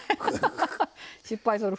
失敗する。